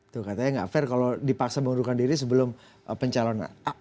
tuh katanya gak fair kalau dipaksa mengundurkan diri sebelum pencalonan